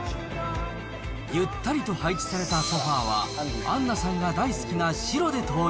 ゆったりと配置されたソファは、アンナさんが大好きな白で統一。